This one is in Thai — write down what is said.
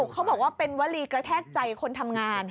เขาบอกว่าเป็นวลีกระแทกใจคนทำงาน